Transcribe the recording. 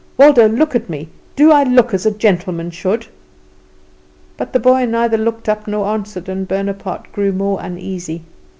Waldo, look at me; do I look as a gentleman should?" But the boy neither looked up nor answered, and Bonaparte grew more uneasy.